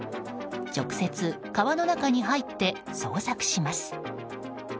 直接、川の中に入って捜索します。